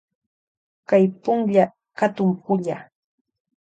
Kay punlla katun pulla.